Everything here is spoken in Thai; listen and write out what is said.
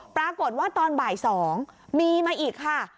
ปรากฏว่าตอนบ่าย๒มีมาอีกค่ะ